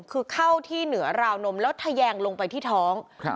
คือเข้าที่เหนือราวนมแล้วทะแยงลงไปที่ท้อง